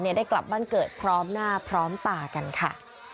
ได้กลับบ้านเกิดพร้อมหน้าพร้อมตากันค่ะ